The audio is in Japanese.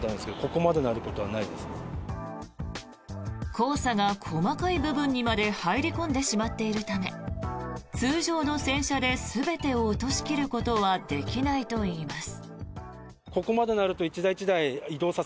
黄砂が細かい部分にまで入り込んでしまっているため通常の洗車で全てを落とし切ることはできないといいます。